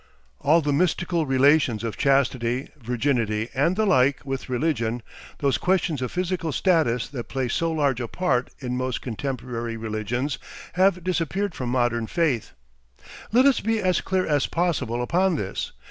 ... All the mystical relations of chastity, virginity, and the like with religion, those questions of physical status that play so large a part in most contemporary religions, have disappeared from modern faith. Let us be as clear as possible upon this.